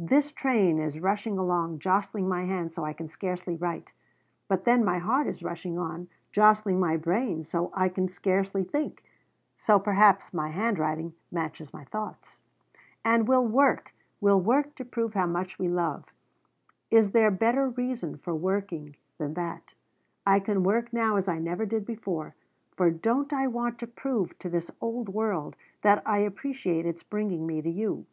"This train is rushing along jostling my hand so I can scarcely write. But then my heart is rushing on jostling my brain so I can scarcely think, so perhaps my handwriting matches my thoughts. "And we'll work! We'll work to prove how much we love is there better reason for working than that? I can work now as I never did before, for don't I want to prove to this old world that I appreciate its bringing me to you?